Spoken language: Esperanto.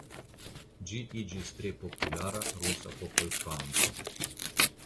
Ĝi iĝis tre populara rusa popolkanto.